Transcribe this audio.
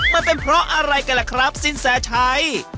มันเป็นเพราะอะไรกันล่ะครับสินแสชัย